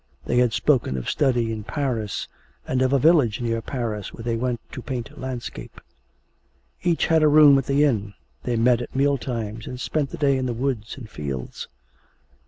They had spoken of study in Paris, and of a village near Paris where they went to paint landscape. Each had a room at the inn; they met at meal times, and spent the day in the woods and fields.